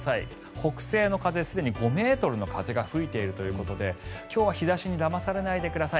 北西の風、すでに５ｍの風が吹いているということで今日は日差しにだまされないでください。